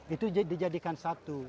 itu dijadikan satu